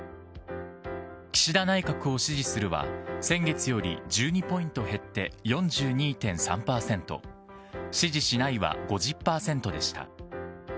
岸田内閣を支持するは、先月より１２ポイント減って４２．３％、支持しないは５０％でした。